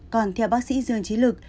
còn theo bác sĩ dương chí lực